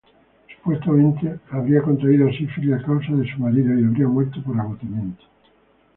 Supuestamente habría contraído sífilis a causa de su marido y habría muerto por agotamiento.